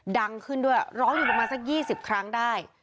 ดังขึ้นด้วยร้องอยู่ประมาณสัก๒๐ครั้งได้